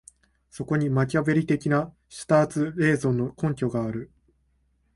そこにマキァヴェリ的なシュターツ・レーゾンの根拠がある。